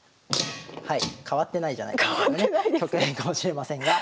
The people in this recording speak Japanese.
変わってないじゃないかみたいなね局面かもしれませんが。